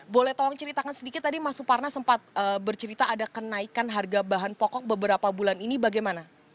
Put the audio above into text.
boleh tolong ceritakan sedikit tadi mas suparna sempat bercerita ada kenaikan harga bahan pokok beberapa bulan ini bagaimana